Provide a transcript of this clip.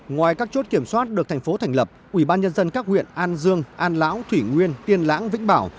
ngoài các chốt kiểm soát được thành phố thành lập ubnd các huyện an dương an lão thủy nguyên tiên lãng vĩnh bảo